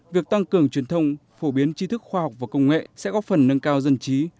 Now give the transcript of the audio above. việc tăng cường truyền thông phổ biến chi thức khoa học và công nghệ sẽ góp phần nâng cao dân trí